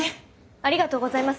ありがとうございます。